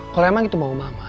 kalau emang itu mau mama